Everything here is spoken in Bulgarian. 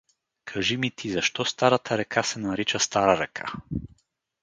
Кажи ми ти, защо Старата река се нарича Стара река?